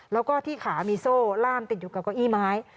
แล้วก็ที่ขามีโซ่ล่ามติดอยู่กับเก้าอี้ไม้